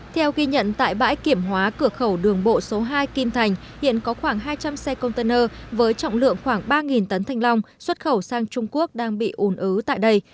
theo ghi nhận tại bãi kiểm hóa cửa khẩu đường bộ số hai kim thành hiện có khoảng hai trăm linh xe container với trọng lượng khoảng ba tấn thanh long xuất khẩu sang trung quốc đang bị ùn ứ tại đây